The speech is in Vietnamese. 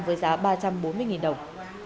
với giá ba trăm bốn mươi đồng